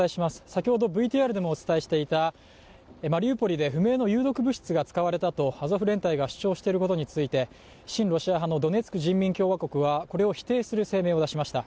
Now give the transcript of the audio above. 先ほどＶＴＲでもお伝えしていたマリウポリで有毒物質が使われたとアゾフ連隊が主張していることについて、親ロシア派のドネツク人民共和国はこれを否定する声明を出しました。